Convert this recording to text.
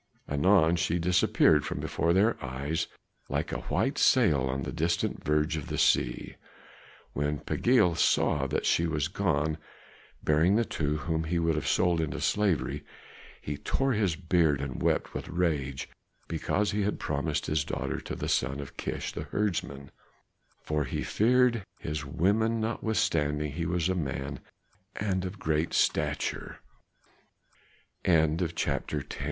Anon she disappeared from before their eyes like a white sail on the distant verge of the sea. When Pagiel saw that she was gone, bearing the two whom he would have sold into slavery, he tore his beard and wept with rage because he had promised his daughter to the son of Kish, the herdsman. For he feared his women, notwithstanding he was a man, and of great stature. CHAPTER XI. AT THE GATE BEAUTIFUL.